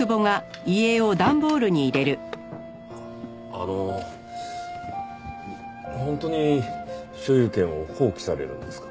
あの本当に所有権を放棄されるんですか？